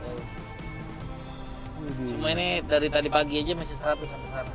cuma ini dari tadi pagi aja masih seratus sampai seratus